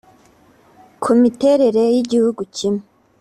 Ku miterere y’ ‘igihugu kimwe